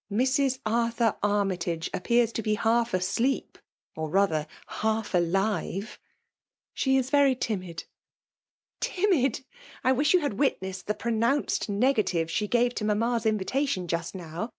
— ^Mrs. Arthur Army 70 FSMAL£ t>OMlVkr9QIH% iMge appears to be half asleep, or rather half alive." " She is very timid." " Timid 1 — I wish you had witnessed the pronounced negative she gave to mamma's invitation, just now!